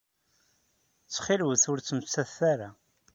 Ttxil-wet ur ttmettatet ara.